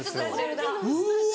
うわ！